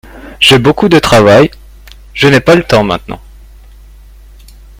J'ai beaucoup de travail. Je n'ai pas le temps maintenant.